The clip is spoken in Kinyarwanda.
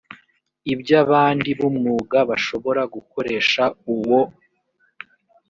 iby abandi b umwuga bashobora gukoresha uwo